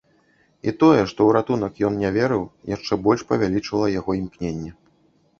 І тое, што ў ратунак ён не верыў, яшчэ больш павялічвала яго імкненне.